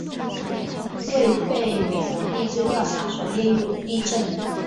未被美国地质调查所列入的地震